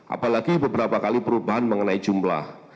apalagi beberapa kali perubahan mengenai jumlah